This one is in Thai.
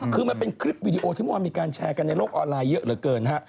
คือมันเป็นคลิปวีดีโอที่เมื่อวานมีการแชร์กันในโลกออนไลน์เยอะเหลือเกินฮะ